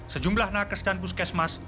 sejumlah nakes dan buskesmas